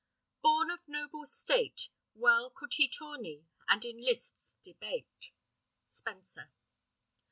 Born of noble state, Well could he tourney, and in lists debate. Spenser.